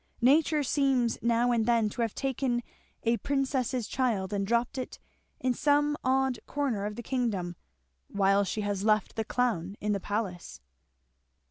Nature seems now and then to have taken a princess's child and dropped it in some odd corner of the kingdom, while she has left the clown in the palace."